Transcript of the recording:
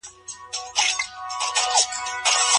د واکسین په اړه پوهاوی څنګه ورکول کیږي؟